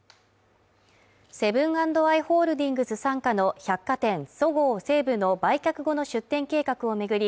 セブン＆アイ・ホールディングス傘下の百貨店そごう・西武の売却後の出店計画を巡り